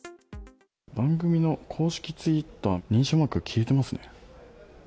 番組の公式ツイッター認証マークが消えていますね。